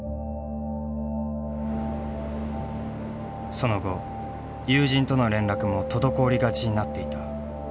その後友人との連絡も滞りがちになっていた。